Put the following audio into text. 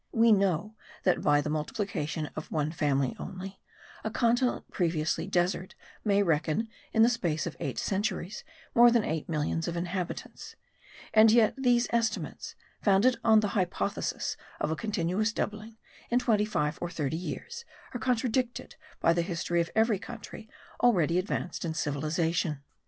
We know that by the multiplication of one family only, a continent previously desert may reckon in the space of eight centuries more than eight millions of inhabitants; and yet these estimates, founded on the hypothesis of a continuous doubling in twenty five or thirty years, are contradicted by the history of every country already advanced in civilization.